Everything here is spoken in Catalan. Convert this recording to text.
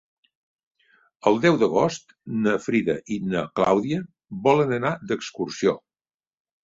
El deu d'agost na Frida i na Clàudia volen anar d'excursió.